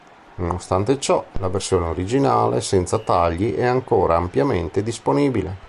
Nonostante ciò, la versione originale senza tagli è ancora ampiamente disponibile.